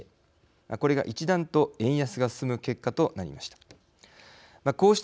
これが一段と円安が進む結果となりました。